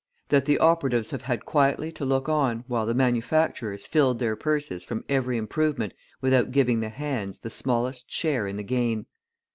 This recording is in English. That the operatives have had quietly to look on while the manufacturers filled their purses from every improvement without giving the hands the smallest share in the gain.